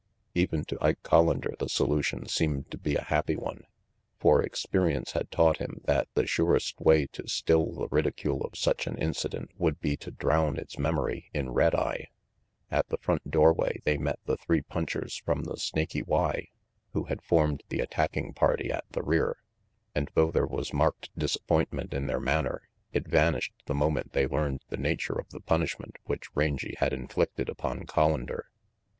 Even to Ike Collander the solution seemed to be a happy one. For experience had taught him that the surest way to still the ridicule of such an incident would be to drown its memory in red eye. At the front doorway they met the three punchers from the Snaky Y who had formed the attacking party at the rear, and though there was marked disappointment in their manner, it vanished the moment they learned the nature of the punishment which Rangy had inflicted upon Collander.